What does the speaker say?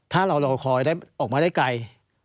ถ้าเรารอคอยออกมาได้ไกล